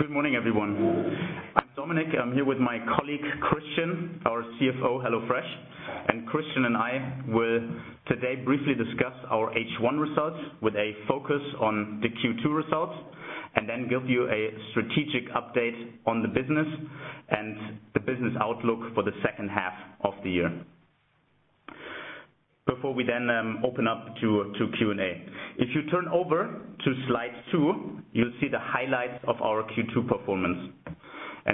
Good morning, everyone. I'm Dominik. I'm here with my colleague, Christian, our CFO at HelloFresh. Christian and I will today briefly discuss our H1 results with a focus on the Q2 results, then give you a strategic update on the business and the business outlook for the second half of the year before we open up to Q&A. If you turn over to slide two, you'll see the highlights of our Q2 performance.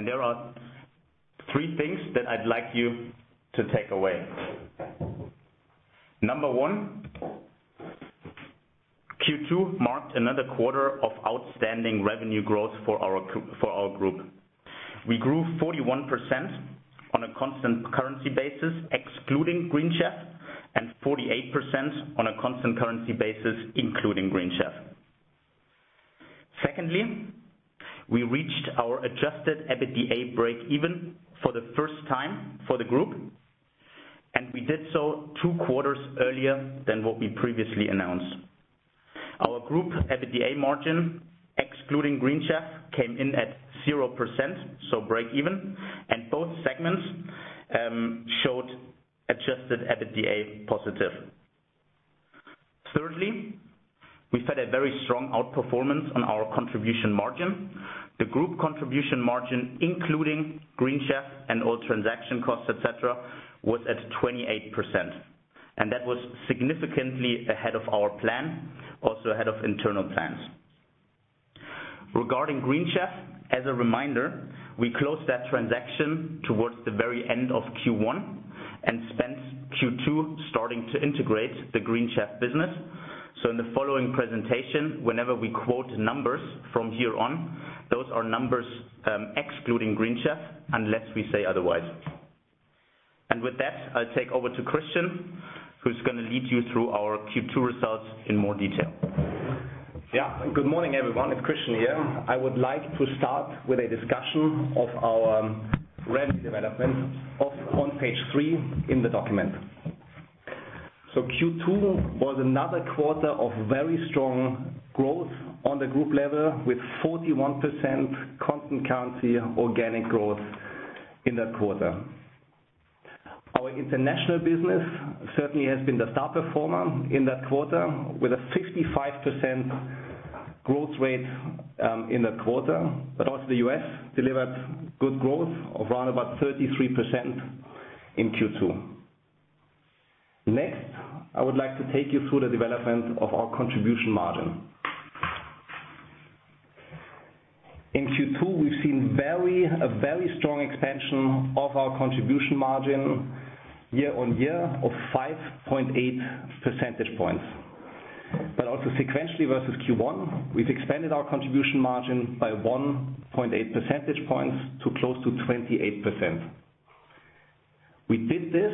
There are three things that I'd like you to take away. Number one, Q2 marked another quarter of outstanding revenue growth for our group. We grew 41% on a constant currency basis, excluding Green Chef, and 48% on a constant currency basis, including Green Chef. Secondly, we reached our adjusted EBITDA break even for the first time for the group, and we did so two quarters earlier than what we previously announced. Our group EBITDA margin, excluding Green Chef, came in at 0%, so break even, and both segments showed adjusted EBITDA positive. Thirdly, we've had a very strong outperformance on our contribution margin. The group contribution margin, including Green Chef and all transaction costs, et cetera, was at 28%. That was significantly ahead of our plan, also ahead of internal plans. Regarding Green Chef, as a reminder, we closed that transaction towards the very end of Q1 and spent Q2 starting to integrate the Green Chef business. In the following presentation, whenever we quote numbers from here on, those are numbers excluding Green Chef, unless we say otherwise. With that, I'll take over to Christian, who's going to lead you through our Q2 results in more detail. Good morning, everyone. It's Christian here. I would like to start with a discussion of our revenue development on page three in the document. Q2 was another quarter of very strong growth on the group level, with 41% constant currency organic growth in that quarter. Our international business certainly has been the star performer in that quarter, with a 65% growth rate in the quarter. Also the U.S. delivered good growth of round about 33% in Q2. Next, I would like to take you through the development of our contribution margin. In Q2, we've seen a very strong expansion of our contribution margin year-on-year of 5.8 percentage points. Also sequentially versus Q1, we've expanded our contribution margin by 1.8 percentage points to close to 28%. We did this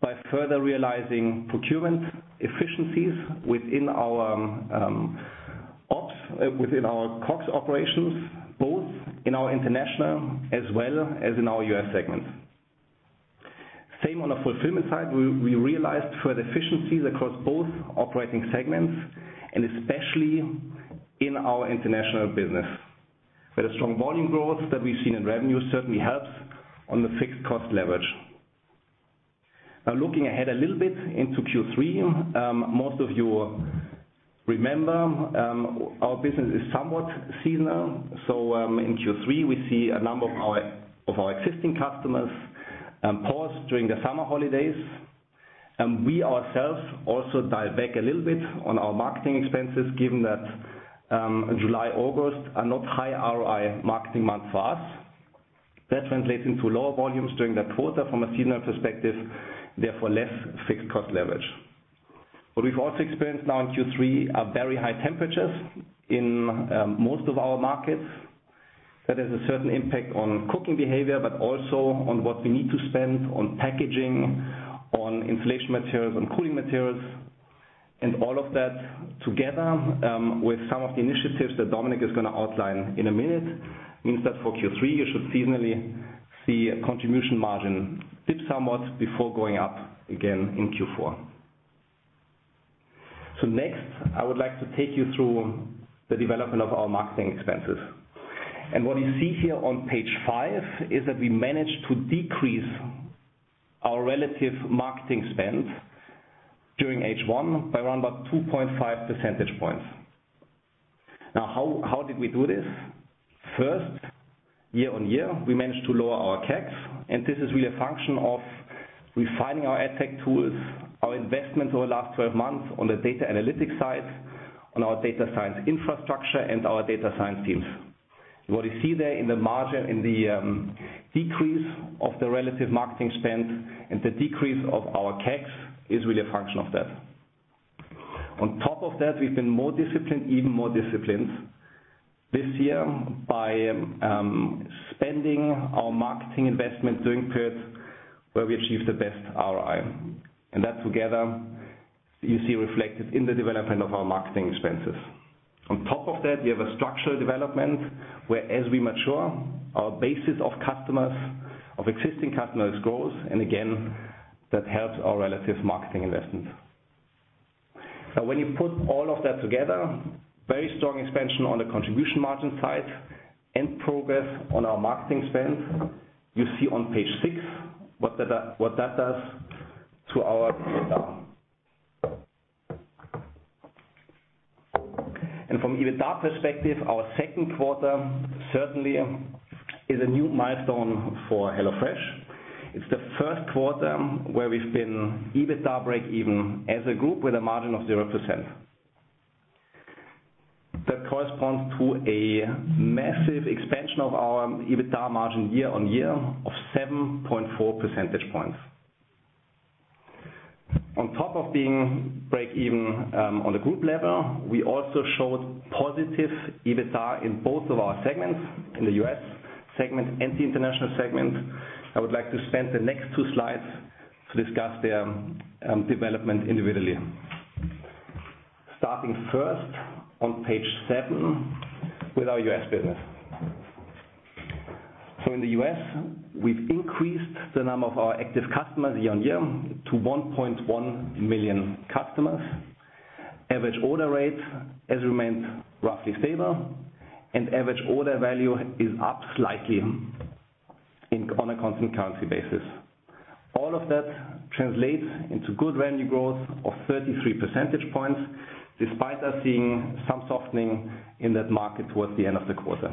by further realizing procurement efficiencies within our COGS operations, both in our international as well as in our U.S. segment. Same on the fulfillment side. We realized further efficiencies across both operating segments, and especially in our international business. A strong volume growth that we've seen in revenue certainly helps on the fixed cost leverage. Looking ahead a little bit into Q3, most of you remember our business is somewhat seasonal. In Q3, we see a number of our existing customers pause during the summer holidays, and we ourselves also dial back a little bit on our marketing expenses, given that July, August are not high ROI marketing months for us. That translates into lower volumes during that quarter from a seasonal perspective, therefore less fixed cost leverage. We've also experienced now in Q3, are very high temperatures in most of our markets. That has a certain impact on cooking behavior, but also on what we need to spend on packaging, on insulation materials, on cooling materials. All of that together with some of the initiatives that Dominik is going to outline in a minute, means that for Q3, you should seasonally see a contribution margin dip somewhat before going up again in Q4. Next, I would like to take you through the development of our marketing expenses. What you see here on page five is that we managed to decrease our relative marketing spend during H1 by around about 2.5 percentage points. How did we do this? First, year-on-year, we managed to lower our CAC, this is really a function of refining our ad tech tools, our investment over the last 12 months on the data analytics side, on our data science infrastructure, and our data science teams. What you see there in the margin, in the decrease of the relative marketing spend and the decrease of our CAC is really a function of that. On top of that, we've been more disciplined, even more disciplined this year by spending our marketing investment during periods where we achieve the best ROI. That together you see reflected in the development of our marketing expenses. On top of that, we have a structural development where as we mature, our basis of customers, of existing customers grows, and again, that helps our relative marketing investment. When you put all of that together, very strong expansion on the contribution margin side and progress on our marketing spend. You see on page six what that does to our EBITDA. From EBITDA perspective, our second quarter certainly is a new milestone for HelloFresh. It's the first quarter where we've been EBITDA breakeven as a group with a margin of 0%. That corresponds to a massive expansion of our EBITDA margin year-on-year of 7.4 percentage points. On top of being breakeven on the group level, we also showed positive EBITDA in both of our segments, in the US segment and the international segment. I would like to spend the next two slides to discuss their development individually. Starting first on page seven with our U.S. business. In the U.S., we've increased the number of our active customers year-on-year to 1.1 million customers. Average order rate has remained roughly stable, average order value is up slightly on a constant currency basis. All of that translates into good revenue growth of 33 percentage points, despite us seeing some softening in that market towards the end of the quarter.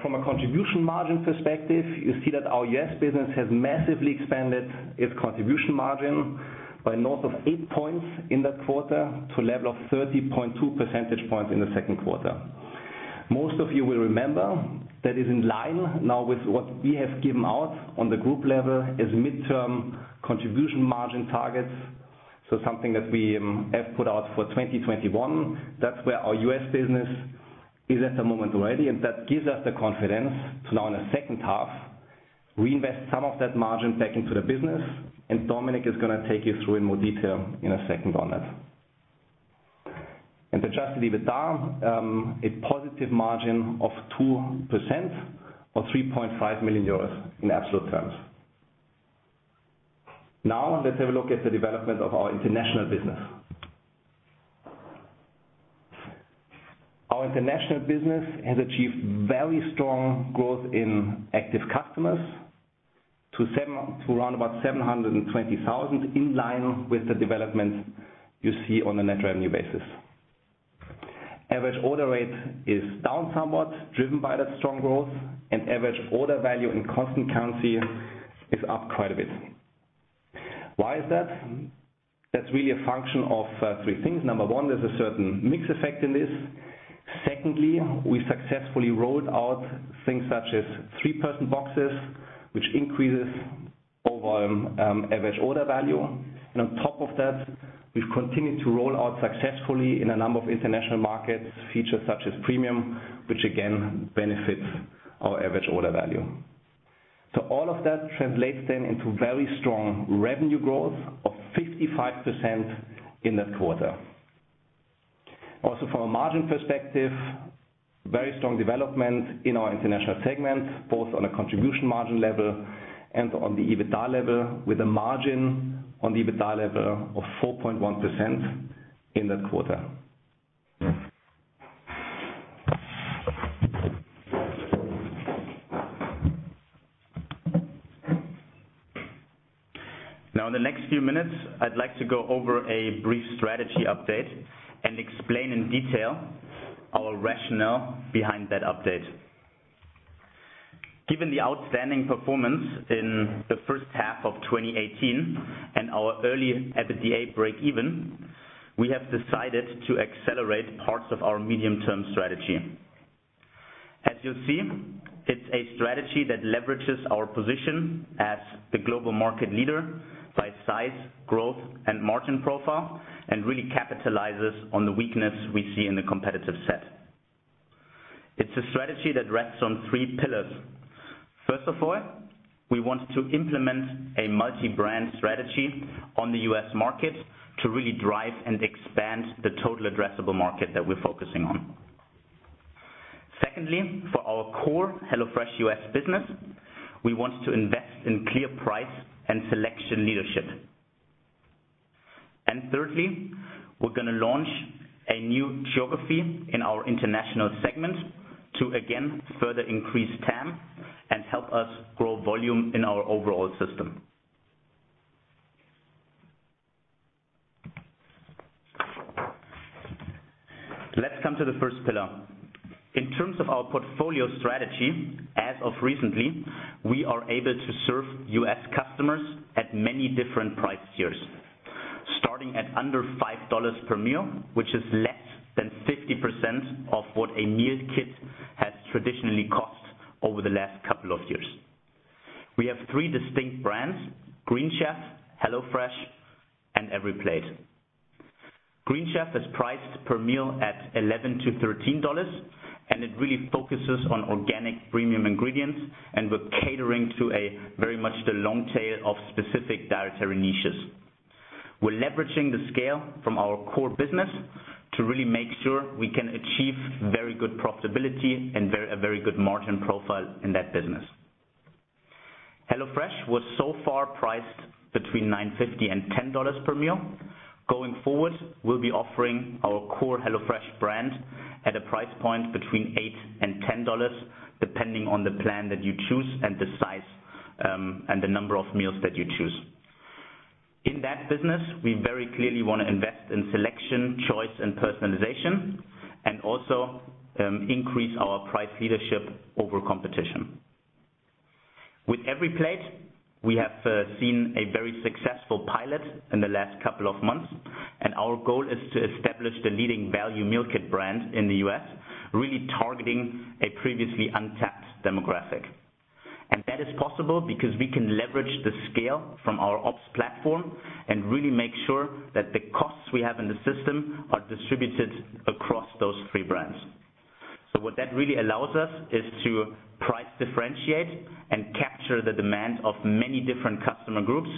From a contribution margin perspective, you see that our U.S. business has massively expanded its contribution margin by north of eight points in that quarter to a level of 30.2 percentage points in the second quarter. Most of you will remember that is in line now with what we have given out on the group level as midterm contribution margin targets. Something that we have put out for 2021. That's where our U.S. business is at the moment already. That gives us the confidence to now in the second half, reinvest some of that margin back into the business. Dominik is going to take you through in more detail in a second on it. Adjusted EBITDA, a positive margin of 2% or 3.5 million euros in absolute terms. Let's have a look at the development of our international business. Our international business has achieved very strong growth in active customers to round about 720,000, in line with the development you see on a net revenue basis. Average order rate is down somewhat, driven by that strong growth, and average order value in constant currency is up quite a bit. Why is that? That's really a function of three things. Number one, there's a certain mix effect in this. Secondly, we successfully rolled out things such as three-person boxes, which increases overall average order value. On top of that, we've continued to roll out successfully in a number of international markets, features such as premium, which again benefits our average order value. All of that translates then into very strong revenue growth of 55% in that quarter. Also from a margin perspective, very strong development in our international segment, both on a contribution margin level and on the EBITDA level, with a margin on the EBITDA level of 4.1% in that quarter. In the next few minutes, I'd like to go over a brief strategy update and explain in detail our rationale behind that update. Given the outstanding performance in the first half of 2018 and our early EBITDA breakeven, we have decided to accelerate parts of our medium-term strategy. As you'll see, it's a strategy that leverages our position as the global market leader by size, growth and margin profile, and really capitalizes on the weakness we see in the competitive set. It's a strategy that rests on three pillars. First of all, we want to implement a multi-brand strategy on the U.S. market to really drive and expand the total addressable market that we're focusing on. Secondly, for our core HelloFresh U.S. business, we want to invest in clear price and selection leadership. Thirdly, we're going to launch a new geography in our international segment to again, further increase TAM and help us grow volume in our overall system. Let's come to the first pillar. In terms of our portfolio strategy, as of recently, we are able to serve U.S. customers at many different price tiers, starting at under $5 per meal, which is less than 50% of what a meal kit has traditionally cost over the last couple of years. We have three distinct brands, Green Chef, HelloFresh, and EveryPlate. Green Chef is priced per meal at $11 to $13, and it really focuses on organic premium ingredients, and we're catering to a very much the long tail of specific dietary niches. We're leveraging the scale from our core business to really make sure we can achieve very good profitability and a very good margin profile in that business. HelloFresh was so far priced between $9.50 and $10 per meal. Going forward, we'll be offering our core HelloFresh brand at a price point between $8 and $10, depending on the plan that you choose and the size, and the number of meals that you choose. In that business, we very clearly want to invest in selection, choice and personalization, and also increase our price leadership over competition. With EveryPlate, we have seen a very successful pilot in the last couple of months, our goal is to establish the leading value meal kit brand in the U.S., really targeting a previously untapped demographic. That is possible because we can leverage the scale from our ops platform and really make sure that the costs we have in the system are distributed across those three brands. What that really allows us is to price differentiate and capture the demand of many different customer groups,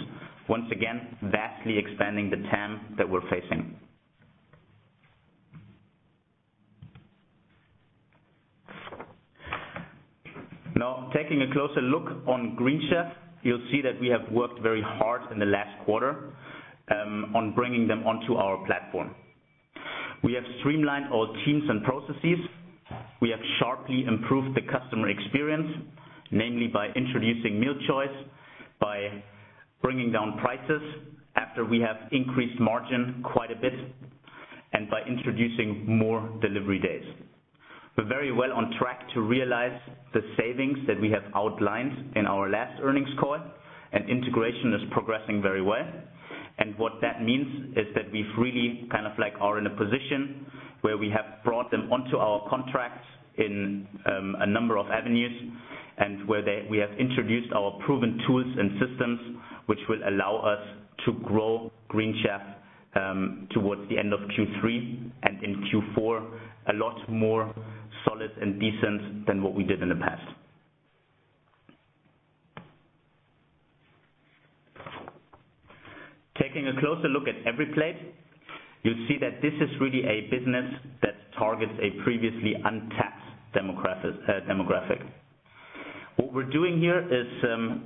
once again, vastly expanding the TAM that we're facing. Now taking a closer look on Green Chef, you'll see that we have worked very hard in the last quarter, on bringing them onto our platform. We have streamlined all teams and processes. We have sharply improved the customer experience, namely by introducing meal choice, by bringing down prices after we have increased margin quite a bit, and by introducing more delivery days. We're very well on track to realize the savings that we have outlined in our last earnings call, and integration is progressing very well and what that means is that we really are in a position where we have brought them onto our contracts in a number of avenues and where we have introduced our proven tools and systems, which will allow us to grow Green Chef towards the end of Q3 and in Q4 a lot more solid and decent than what we did in the past. Taking a closer look at EveryPlate, you'll see that this is really a business that targets a previously untapped demographic. What we're doing here is,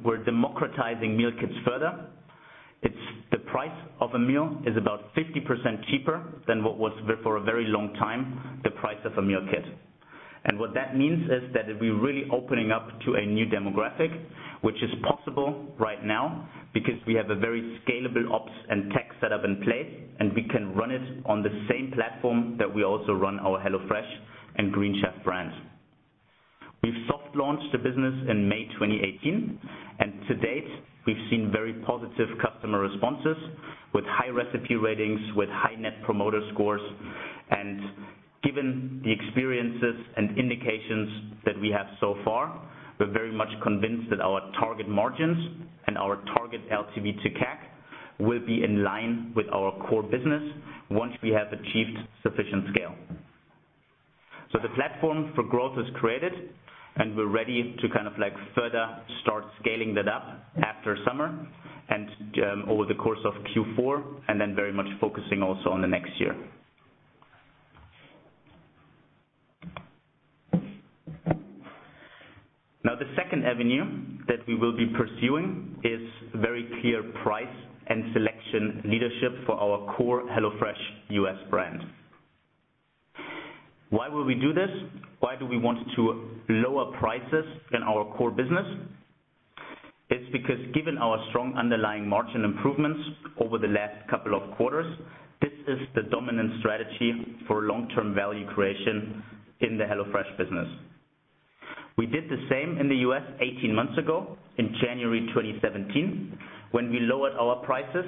we're democratizing meal kits further. The price of a meal is about 50% cheaper than what was for a very long time, the price of a meal kit. What that means is that we're really opening up to a new demographic, which is possible right now because we have a very scalable ops and tech set up in place, and we can run it on the same platform that we also run our HelloFresh and Green Chef brands. To date, we've seen very positive customer responses with high recipe ratings, with high net promoter scores. Given the experiences and indications that we have so far, we're very much convinced that our target margins and our target LTV to CAC will be in line with our core business once we have achieved sufficient scale. The platform for growth is created, we're ready to further start scaling that up after summer and over the course of Q4, then very much focusing also on the next year. The second avenue that we will be pursuing is very clear price and selection leadership for our core HelloFresh U.S. brand. Why will we do this? Why do we want to lower prices in our core business? It's because given our strong underlying margin improvements over the last couple of quarters, this is the dominant strategy for long-term value creation in the HelloFresh business. We did the same in the U.S. 18 months ago in January 2017, when we lowered our prices,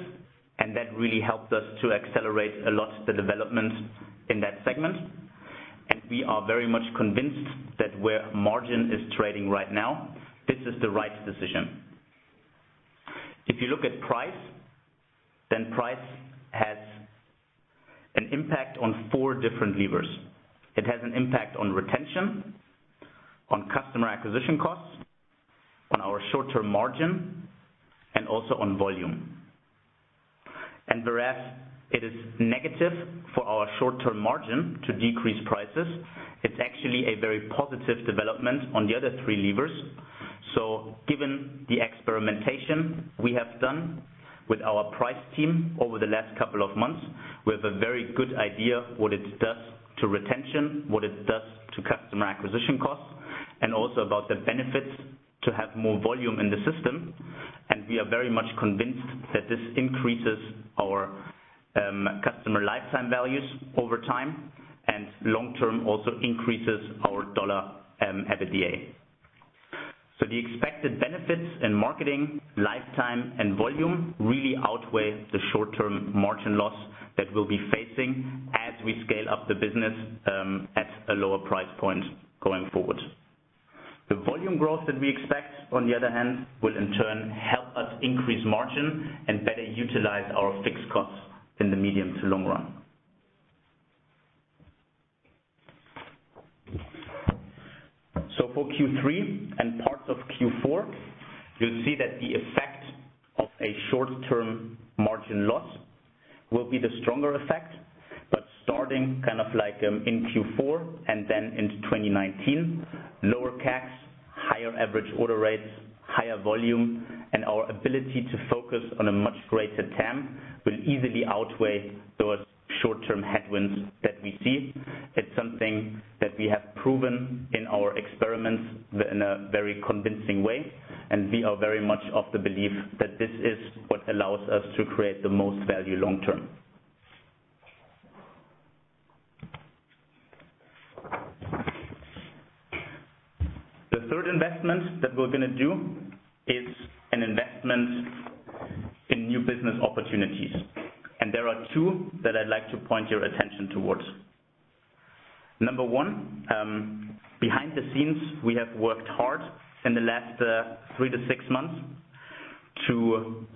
and that really helped us to accelerate a lot the development in that segment. We are very much convinced that where margin is trading right now, this is the right decision. If you look at price has an impact on four different levers. It has an impact on retention, on customer acquisition costs, on our short-term margin, and also on volume. Whereas it is negative for our short-term margin to decrease prices, it's actually a very positive development on the other three levers. Given the experimentation we have done with our price team over the last couple of months, we have a very good idea what it does to retention, what it does to customer acquisition costs, and also about the benefits to have more volume in the system. We are very much convinced that this increases our customer lifetime values over time and long term also increases our dollar EBITDA. The expected benefits in marketing, lifetime, and volume really outweigh the short-term margin loss that we'll be facing as we scale up the business at a lower price point going forward. The volume growth that we expect, on the other hand, will in turn help us increase margin and better utilize our fixed costs in the medium to long run. For Q3 and parts of Q4, you'll see that the effect of a short-term margin loss will be the stronger effect. Starting in Q4 and then into 2019, lower CACs, higher average order rates, higher volume, and our ability to focus on a much greater TAM will easily outweigh those short-term headwinds that we see. It's something that we have proven in our experiments in a very convincing way, and we are very much of the belief that this is what allows us to create the most value long term. The third investment that we're going to do is an investment in new business opportunities. There are two that I'd like to point your attention towards. Number one, behind the scenes, we have worked hard in the last three to six months to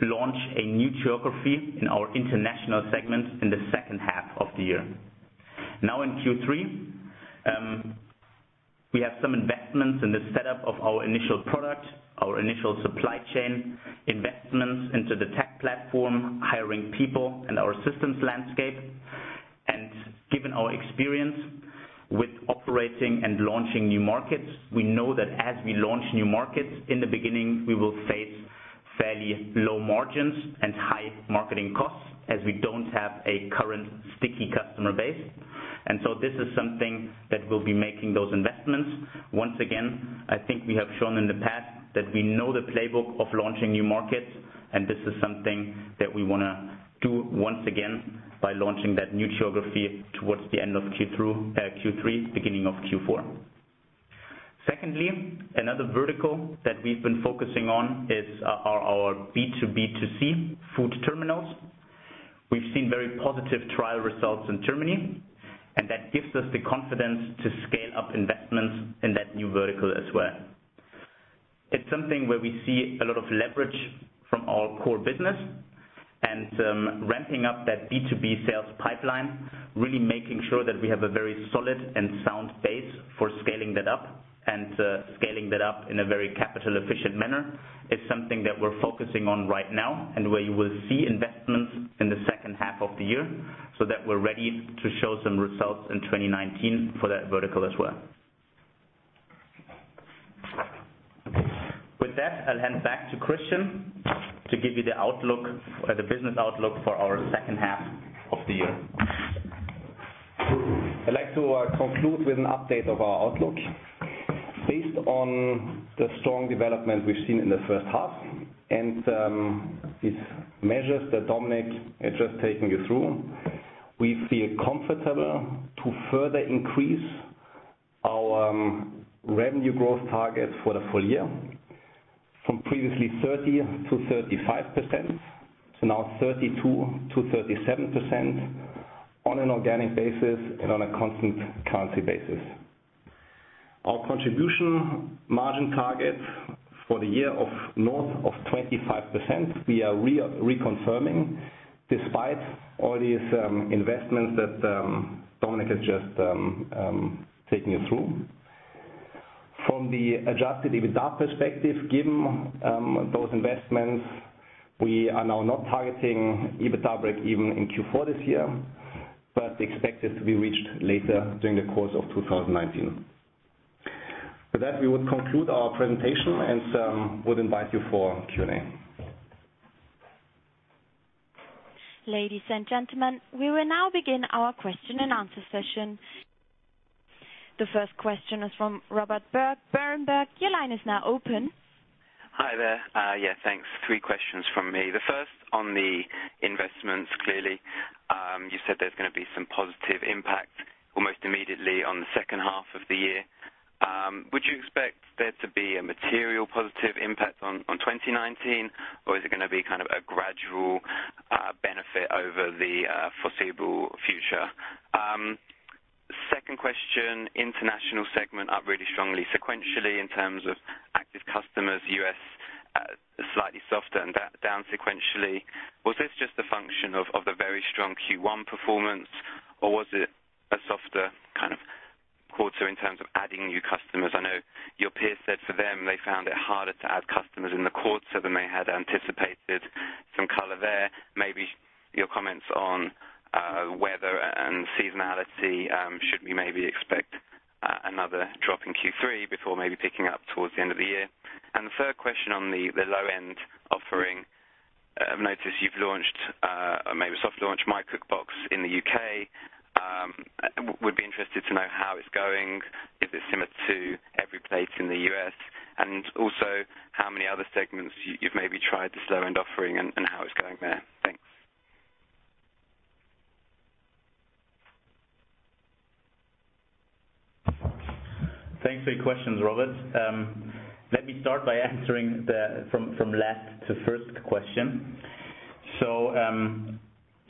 launch a new geography in our international segment in the second half of the year. In Q3, we have some investments in the setup of our initial product, our initial supply chain, investments into the tech platform, hiring people, and our systems landscape. Given our experience with operating and launching new markets, we know that as we launch new markets, in the beginning, we will face fairly low margins and high marketing costs as we don't have a current sticky customer base. This is something that we'll be making those investments. Once again, I think we have shown in the past that we know the playbook of launching new markets. This is something that we want to do once again by launching that new geography towards the end of Q3, beginning of Q4. Secondly, another vertical that we've been focusing on is our B2B2C food terminals. We've seen very positive trial results in Germany, and that gives us the confidence to scale up investments in that new vertical as well. It's something where we see a lot of leverage from our core business and ramping up that B2B sales pipeline, really making sure that we have a very solid and sound base for scaling that up and scaling that up in a very capital efficient manner. It's something that we're focusing on right now and where you will see investments in the second half of the year so that we're ready to show some results in 2019 for that vertical as well. With that, I'll hand back to Christian to give you the business outlook for our second half of the year. I'd like to conclude with an update of our outlook. Based on the strong development we've seen in the first half and these measures that Dominik has just taken you through, we feel comfortable to further increase our revenue growth target for the full year from previously 30%-35%, to now 32%-37% on an organic basis and on a constant currency basis. Our contribution margin target for the year of north of 25%, we are reconfirming despite all these investments that Dominik has just taken you through. From the adjusted EBITDA perspective, given those investments, we are now not targeting EBITDA break even in Q4 this year, but expect it to be reached later during the course of 2019. With that, we would conclude our presentation and would invite you for Q&A. Ladies and gentlemen, we will now begin our question and answer session. The first question is from Robert Berg Berenberg. Your line is now open. Hi there. Yeah, thanks. Three questions from me. The first on the investments, clearly. You said there's going to be some positive impact almost immediately on the second half of the year. Would you expect there to be a material positive impact on 2019, or is it going to be a gradual benefit over the foreseeable future? Second question, international segment up really strongly sequentially in terms of active customers, U.S. slightly softer and down sequentially. Was this just a function of the very strong Q1 performance, or was it a softer quarter in terms of adding new customers? I know your peers said for them they found it harder to add customers in the quarter than they had anticipated. Some color there. Maybe your comments on weather and seasonality. Should we maybe expect another drop in Q3 before maybe picking up towards the end of the year? The third question on the low-end offering. I've noticed you've maybe soft launched HelloFresh in the U.K. Would be interested to know how it's going, if it's similar to EveryPlate in the U.S., and also how many other segments you've maybe tried this low-end offering and how it's going there. Thanks. Thanks for your questions, Robert. Let me start by answering from last to first question.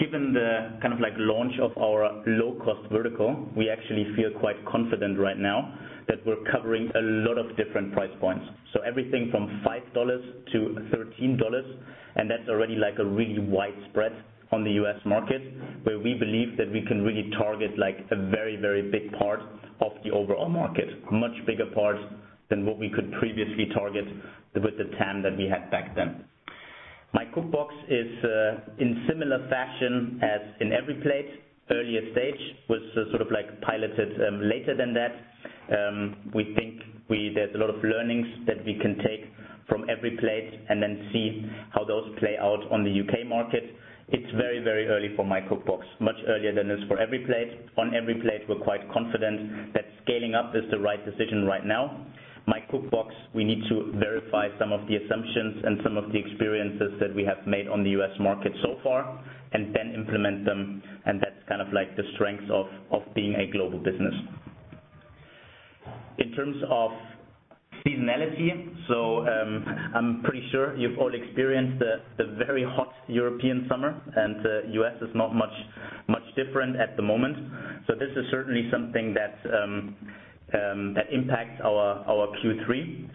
Given the launch of our low cost vertical, we actually feel quite confident right now that we're covering a lot of different price points. Everything from $5 to $13, and that's already a really wide spread on the U.S. market, where we believe that we can really target a very big part of the overall market. Much bigger part than what we could previously target with the 10 that we had back then. MyCookbox is in similar fashion as in EveryPlate, earlier stage, was sort of piloted later than that. We think there's a lot of learnings that we can take from EveryPlate and then see how those play out on the U.K. market. It's very early for MyCookbox, much earlier than it is for EveryPlate. On EveryPlate, we're quite confident that scaling up is the right decision right now. MyCookbox, we need to verify some of the assumptions and some of the experiences that we have made on the U.S. market so far, and then implement them, and that's the strength of being a global business. In terms of seasonality, I'm pretty sure you've all experienced the very hot European summer, and the U.S. is not much different at the moment. This is certainly something that impacts our Q3.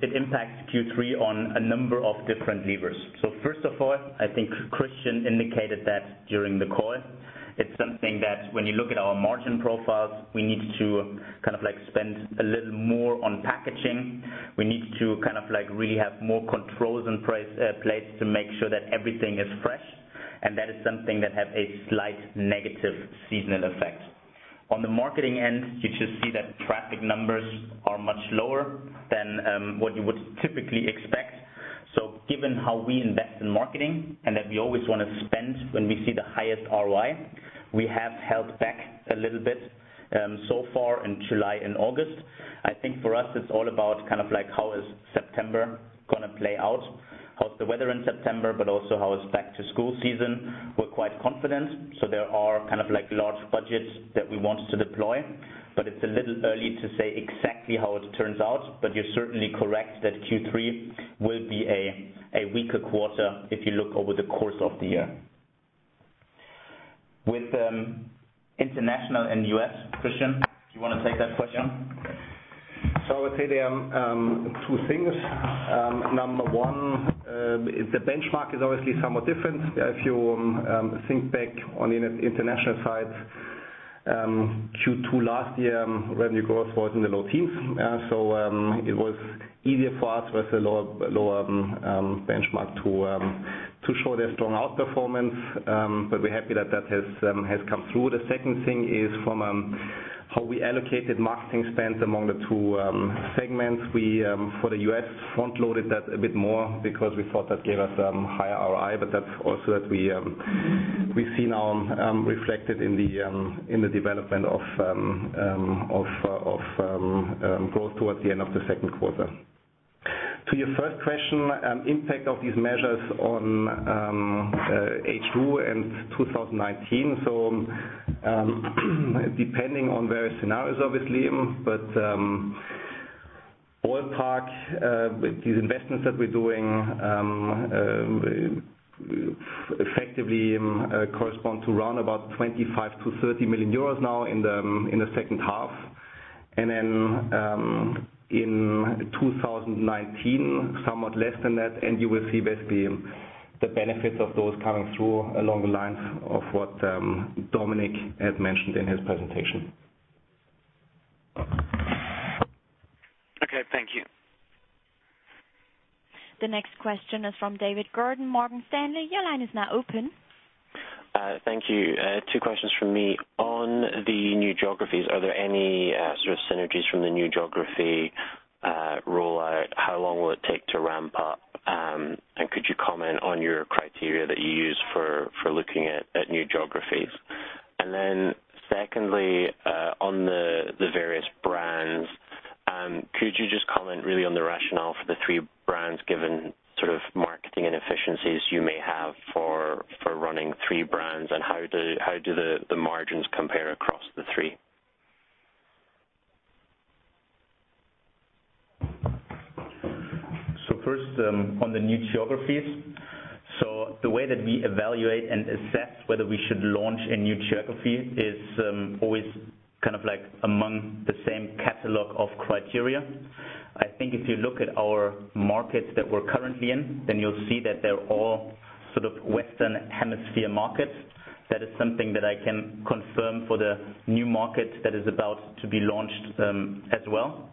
It impacts Q3 on a number of different levers. First of all, I think Christian indicated that during the call. It's something that when you look at our margin profiles, we need to spend a little more on packaging. We need to really have more controls in place to make sure that everything is fresh. That is something that has a slight negative seasonal effect. On the marketing end, you just see that traffic numbers are much lower than what you would typically expect. Given how we invest in marketing and that we always want to spend when we see the highest ROI, we have held back a little bit so far in July and August. I think for us, it's all about how is September going to play out, how is the weather in September, but also how is back-to-school season. We are quite confident. There are large budgets that we want to deploy, but it's a little early to say exactly how it turns out. You are certainly correct that Q3 will be a weaker quarter if you look over the course of the year. With international and U.S., Christian, do you want to take that question? I would say there are two things. Number one, the benchmark is obviously somewhat different. If you think back on the international side, Q2 last year, revenue growth was in the low teens. It was easier for us with a lower benchmark to show their strong outperformance. We are happy that has come through. The second thing is from how we allocated marketing spends among the two segments. We for the U.S. front-loaded that a bit more because we thought that gave us higher ROI, but that's also that we see now reflected in the development of growth towards the end of the second quarter. To your first question, impact of these measures on H2 and 2019. Depending on various scenarios, obviously, but ballpark these investments that we are doing effectively correspond to round about 25 million-30 million euros now in the second half. In 2019, somewhat less than that, and you will see basically the benefits of those coming through along the lines of what Dominik has mentioned in his presentation. Okay, thank you. The next question is from David Gordon, Morgan Stanley. Your line is now open. Thank you. Two questions from me. On the new geographies, are there any sort of synergies from the new geography rollout? How long will it take to ramp up? Could you comment on your criteria that you use for looking at new geographies? Secondly, on the various brands, could you just comment really on the rationale for the three brands given marketing inefficiencies you may have for running three brands and how do the margins compare across the three? First, on the new geographies. The way that we evaluate and assess whether we should launch a new geography is always among the same catalog of criteria. I think if you look at our markets that we're currently in, then you'll see that they're all Western Hemisphere markets. That is something that I can confirm for the new market that is about to be launched as well.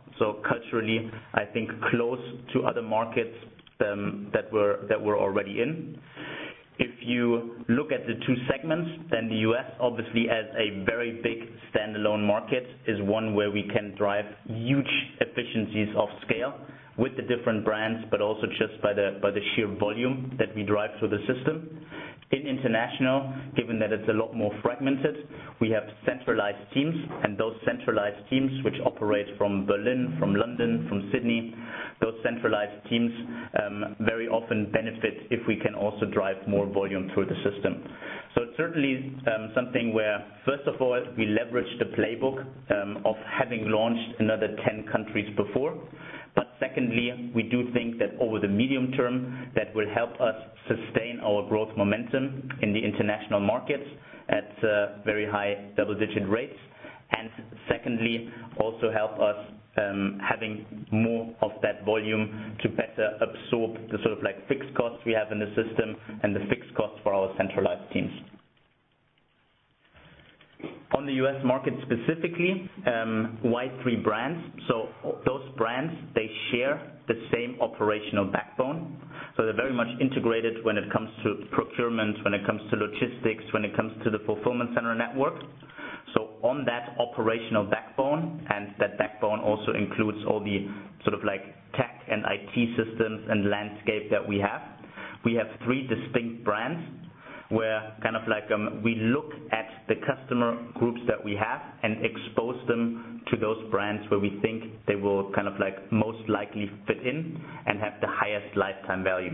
Culturally, I think close to other markets that we're already in. If you look at the two segments, then the U.S. obviously as a very big standalone market is one where we can drive huge efficiencies of scale with the different brands, but also just by the sheer volume that we drive through the system. In international, given that it's a lot more fragmented, we have centralized teams and those centralized teams which operate from Berlin, from London, from Sydney, those centralized teams very often benefit if we can also drive more volume through the system. It's certainly something where, first of all, we leverage the playbook of having launched another 10 countries before. Secondly, we do think that over the medium term, that will help us sustain our growth momentum in the international markets at very high double-digit rates. Secondly, also help us having more of that volume to better absorb the fixed costs we have in the system and the fixed costs for our centralized teams. On the U.S. market specifically, why three brands? Those brands, they share the same operational backbone. They're very much integrated when it comes to procurement, when it comes to logistics, when it comes to the fulfillment center network. On that operational backbone, and that backbone also includes all the tech and IT systems and landscape that we have. We have three distinct brands, where we look at the customer groups that we have and expose them to those brands where we think they will most likely fit in and have the highest lifetime value.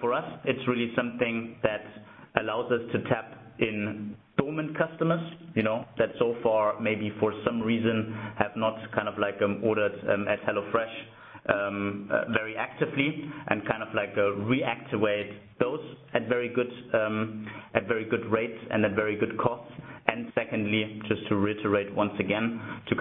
For us, it's really something that allows us to tap in dormant customers that so far, maybe for some reason, have not ordered at HelloFresh very actively and reactivate those at very good rates and at very good costs. Secondly, just to reiterate once again, to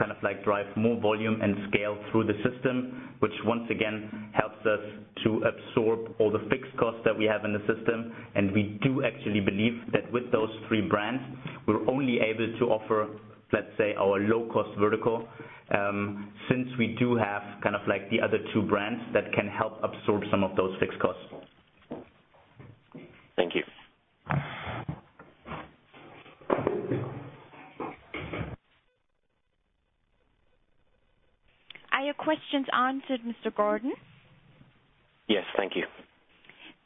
drive more volume and scale through the system, which once again helps us to absorb all the fixed costs that we have in the system. We do actually believe that with those three brands, we're only able to offer, let's say, our low-cost vertical, since we do have the other two brands that can help absorb some of those fixed costs. Thank you. Are your questions answered, Mr. Gordon? Yes. Thank you.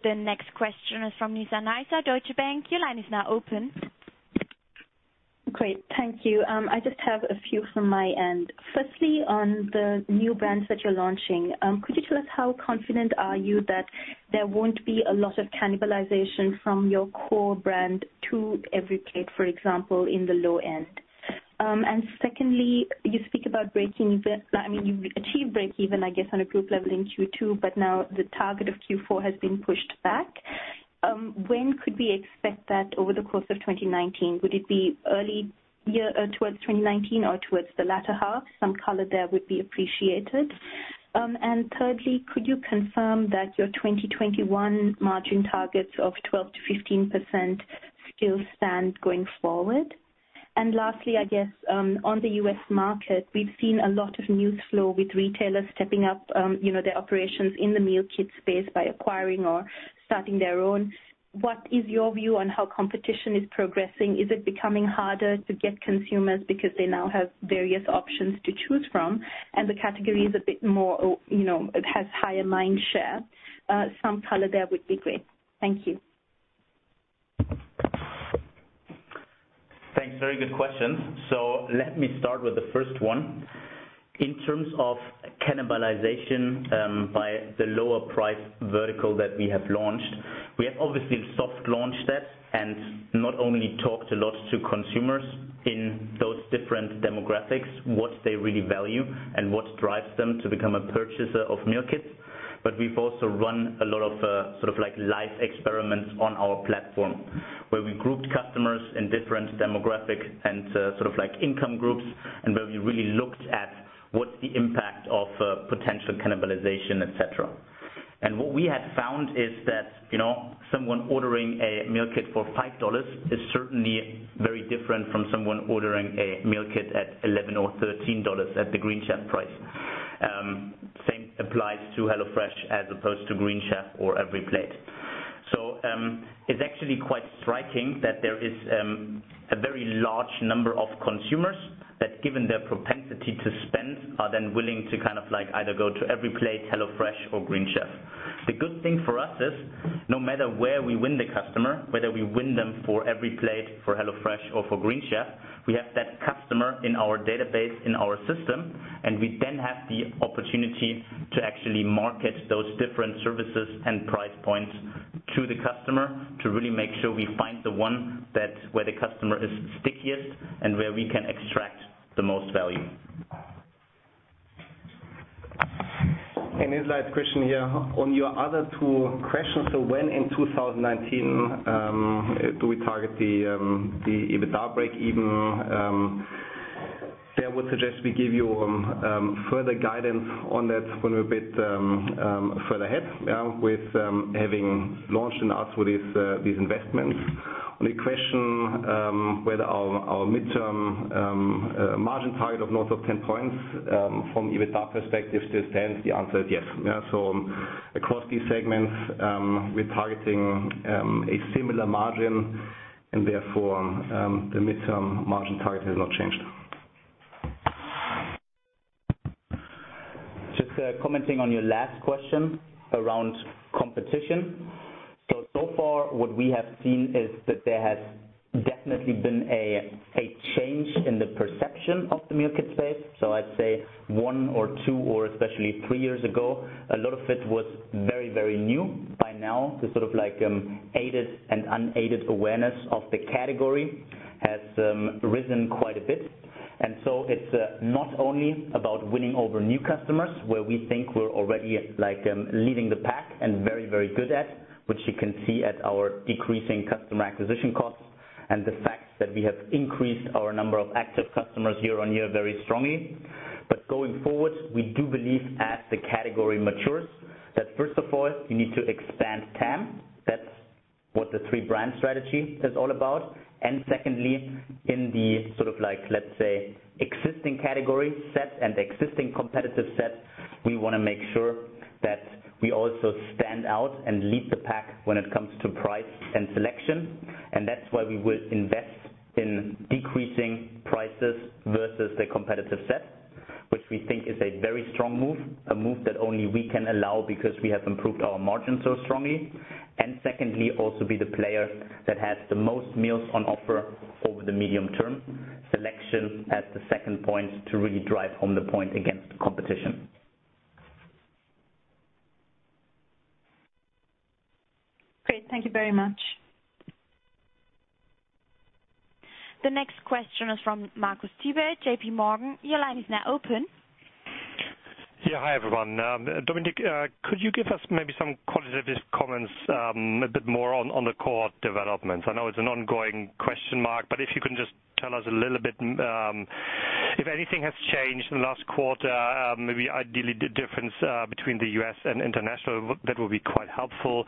The next question is from Nishita Karia, Deutsche Bank. Your line is now open. Great. Thank you. I just have a few from my end. Firstly, on the new brands that you're launching, could you tell us how confident are you that there won't be a lot of cannibalization from your core brand to EveryPlate, for example, in the low end? Secondly, you speak about breaking even. I mean, you've achieved breakeven, I guess, on a group level in Q2, but now the target of Q4 has been pushed back. When could we expect that over the course of 2019? Would it be early year towards 2019 or towards the latter half? Some color there would be appreciated. Thirdly, could you confirm that your 2021 margin targets of 12%-15% still stand going forward? Lastly, I guess, on the U.S. market, we've seen a lot of news flow with retailers stepping up their operations in the meal kit space by acquiring or starting their own. What is your view on how competition is progressing? Is it becoming harder to get consumers because they now have various options to choose from and the category is a bit more, it has higher mind share? Some color there would be great. Thank you. Thanks. Very good questions. Let me start with the first one. In terms of cannibalization by the lower price vertical that we have launched, we have obviously soft launched that and not only talked a lot to consumers in those different demographics, what they really value and what drives them to become a purchaser of meal kits. We've also run a lot of live experiments on our platform where we grouped customers in different demographic and income groups and where we really looked at what's the impact of potential cannibalization, et cetera. What we had found is that someone ordering a meal kit for EUR 5 is certainly very different from someone ordering a meal kit at 11 or EUR 13 at the Green Chef price. Same applies to HelloFresh as opposed to Green Chef or EveryPlate. It's actually quite striking that there is a very large number of consumers that, given their propensity to spend, are then willing to either go to EveryPlate, HelloFresh, or Green Chef. The good thing for us is no matter where we win the customer, whether we win them for EveryPlate, for HelloFresh, or for Green Chef, we have that customer in our database, in our system, and we then have the opportunity to actually market those different services and price points to the customer to really make sure we find the one where the customer is stickiest and where we can extract the most value. Inside question here. On your other two questions. When in 2019 do we target the EBITDA breakeven? I would suggest we give you further guidance on that when we're a bit further ahead with having launched and asked for these investments. On your question whether our midterm margin target of north of 10 points from EBITDA perspective still stands, the answer is yes. Across these segments, we're targeting a similar margin and therefore the midterm margin target has not changed. Just commenting on your last question around competition. Far what we have seen is that there has definitely been a change in the perception of the meal kit space. I'd say one or two or especially three years ago, a lot of it was very new. By now, the aided and unaided awareness of the category has risen quite a bit. It's not only about winning over new customers where we think we're already leading the pack and very good at, which you can see at our decreasing customer acquisition costs and the fact that we have increased our number of active customers year-over-year very strongly. Going forward, we do believe as the category matures, that first of all, we need to expand TAM. That's what the three brand strategy is all about. Secondly, in the, let's say, existing category set and existing competitive set, we want to make sure that we also stand out and lead the pack when it comes to price and selection. That's why we will invest in decreasing prices versus the competitive set, which we think is a very strong move, a move that only we can allow because we have improved our margins so strongly. Secondly, also be the player that has the most meals on offer over the medium term. Selection as the second point to really drive home the point against competition. Great. Thank you very much. The next question is from Marcus Diebel, J.P. Morgan. Your line is now open. Yeah. Hi, everyone. Dominik, could you give us maybe some qualitative comments, a bit more on the cohort developments? I know it's an ongoing question mark, but if you can just tell us a little bit, if anything has changed in the last quarter, maybe ideally the difference between the U.S. and international, that will be quite helpful.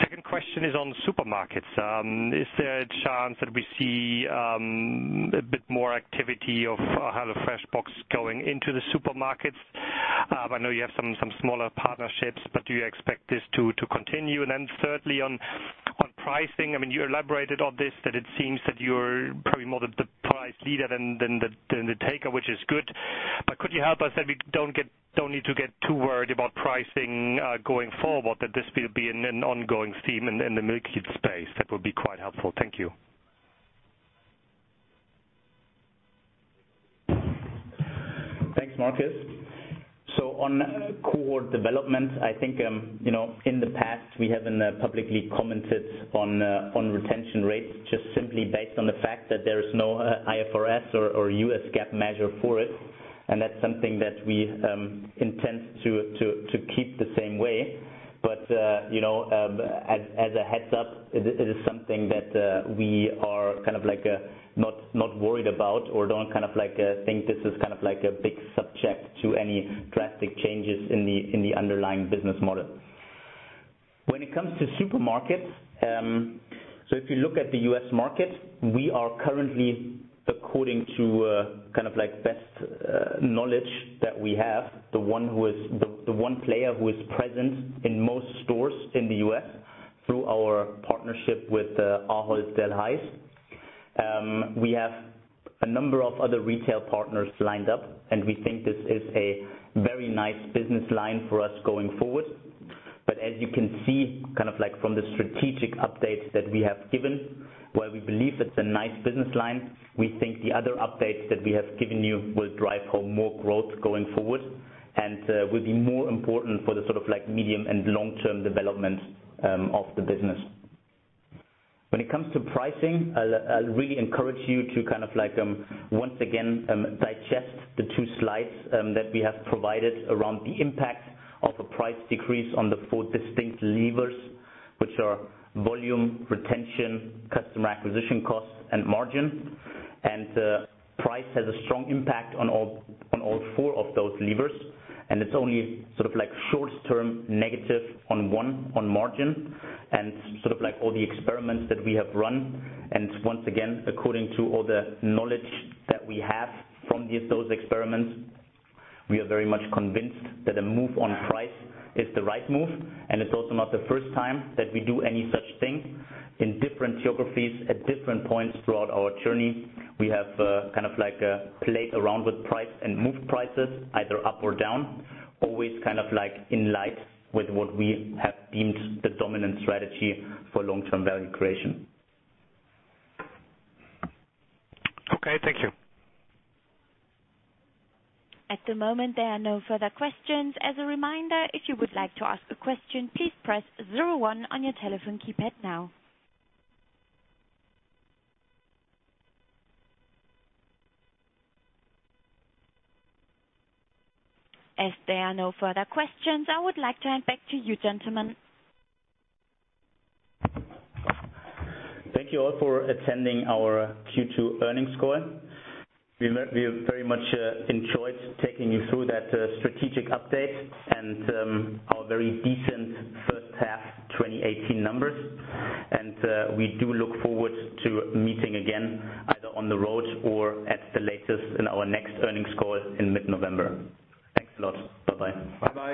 Second question is on supermarkets. Is there a chance that we see a bit more activity of HelloFresh box going into the supermarkets? I know you have some smaller partnerships, but do you expect this to continue? Thirdly, on pricing, you elaborated on this, that it seems that you're probably more the price leader than the taker, which is good. Could you help us that we don't need to get too worried about pricing going forward, that this will be an ongoing theme in the meal kit space? That would be quite helpful. Thank you. Thanks, Marcus. On cohort development, I think, in the past, we haven't publicly commented on retention rates, just simply based on the fact that there is no IFRS or US GAAP measure for it. That's something that we intend to keep the same way. As a heads up, it is something that we are not worried about or don't think this is a big subject to any drastic changes in the underlying business model. When it comes to supermarkets, if you look at the U.S. market, we are currently according to best knowledge that we have, the one player who is present in most stores in the U.S. through our partnership with Ahold Delhaize. We have a number of other retail partners lined up, and we think this is a very nice business line for us going forward. As you can see from the strategic updates that we have given, while we believe it's a nice business line, we think the other updates that we have given you will drive home more growth going forward and will be more important for the medium and long-term development of the business. When it comes to pricing, I'll really encourage you to, once again, digest the two slides that we have provided around the impact of a price decrease on the four distinct levers, which are volume, retention, customer acquisition cost, and margin. Price has a strong impact on all four of those levers. It's only short-term negative on one, on margin, and all the experiments that we have run. Once again, according to all the knowledge that we have from those experiments, we are very much convinced that a move on price is the right move. It's also not the first time that we do any such thing. In different geographies at different points throughout our journey, we have played around with price and moved prices either up or down, always in light with what we have deemed the dominant strategy for long-term value creation. Okay, thank you. At the moment, there are no further questions. As a reminder, if you would like to ask a question, please press 01 on your telephone keypad now. As there are no further questions, I would like to hand back to you, gentlemen. Thank you all for attending our Q2 earnings call. We very much enjoyed taking you through that strategic update and our very decent first half 2018 numbers. We do look forward to meeting again either on the road or at the latest in our next earnings call in mid-November. Thanks a lot. Bye-bye. Bye-bye.